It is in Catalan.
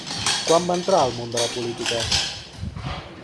Quan va entrar al món de la política?